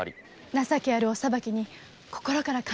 情けあるお裁きに心から感謝しております。